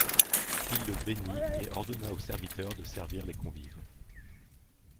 Il le bénit et ordonna aux serviteurs de servir les convives.